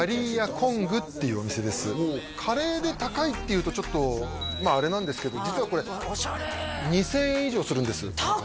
ＣＯＮＧっていうお店ですカレーで高いっていうとちょっとまああれなんですけど実はこれ２０００円以上するんです高っ！